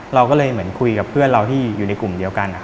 เราก็เลยเหมือนคุยกับเพื่อนเราที่อยู่ในกลุ่มเดียวกัน